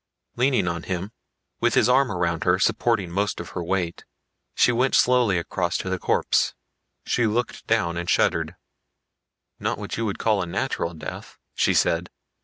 Leaning on him, with his arm around her supporting most of her weight, she went slowly across to the corpse. She looked down and shuddered. "Not what you would call a natural death," she said.